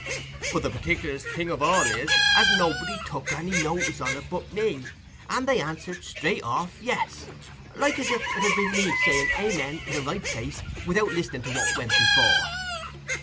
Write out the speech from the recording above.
But the partic'larest thing of all is, as nobody took any notice on it but me, and they answered straight off "yes", like as if it had been me saying "Amen" i' the right place, without listening to what went before."